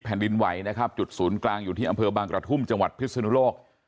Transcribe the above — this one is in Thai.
ดินไหวนะครับจุดศูนย์กลางอยู่ที่อำเภอบางกระทุ่มจังหวัดพิศนุโลก